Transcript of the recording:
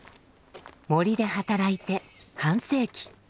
森で働いて半世紀。